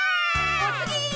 おつぎ！